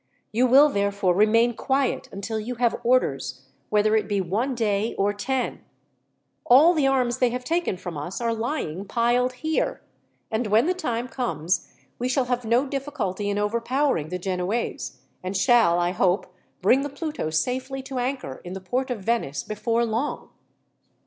You will, therefore, remain quiet until you have orders, whether it be one day or ten. All the arms they have taken from us are lying piled here, and when the time comes, we shall have no difficulty in overpowering the Genoese, and shall, I hope, bring the Pluto safely to anchor in the port of Venice before long."